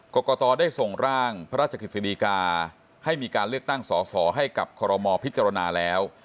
กรกตได้ส่งร่างพระราชกฤษฎีกาให้มีการเลือกตั้งสอสอให้กับคอรมอลพิจารณาแล้ว